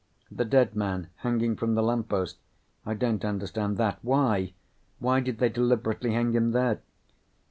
The dead man hanging from the lamppost. I don't understand that. Why? Why did they deliberately hang him there?"